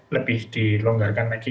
lebih dilonggarkan lagi